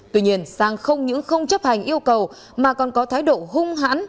tuy nhiên sang không những không chấp hành yêu cầu mà còn có thái độ hung hãn